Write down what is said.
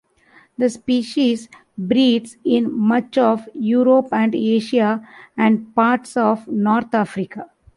This species breeds in much of Europe and Asia and parts of north Africa.